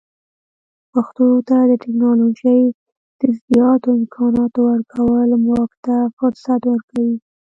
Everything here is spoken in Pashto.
پښتو ته د ټکنالوژۍ د زیاتو امکاناتو ورکول موږ ته فرصت ورکوي.